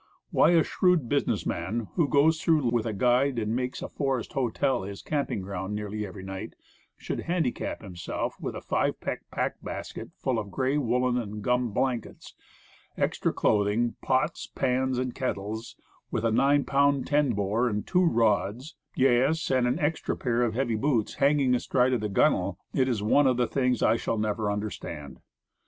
Why a shrewd business man, who goes through with a guide and makes a forest hotel his camping ground nearly every night, should handicap himself with a five peck pack basket full of gray woolen and gum blankets, extra clothing, pots, pans and kettles, with a 9 pound 10 bore, and two rods yes, and an extra pair of heavy boots hanging astride of the gun well, it is one of the things I shall never understand.